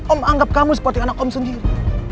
om anggap kamu seperti anak om sendiri